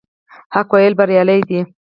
حق ولې بريالی دی؟